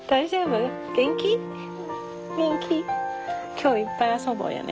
今日いっぱい遊ぼうやね。